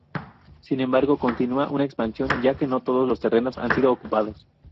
Sin embargo, continúa en expansión ya que no todos los terrenos han sido ocupados.